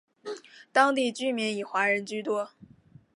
当地居民以华人居多。